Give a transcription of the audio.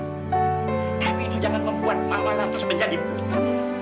tapi itu jangan membuat mama lantas menjadi buta